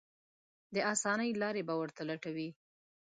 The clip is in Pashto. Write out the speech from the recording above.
د اسانۍ لارې به ورته لټوي.